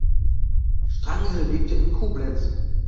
Strange lebte in Koblenz.